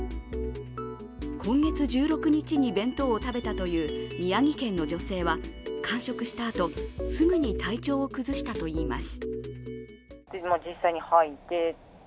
今月１６日に弁当を食べたという宮城県の女性は完食したあと、すぐに体調を崩したといいます。